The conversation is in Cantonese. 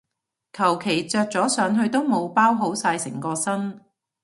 求其着咗上去都冇包好晒成個身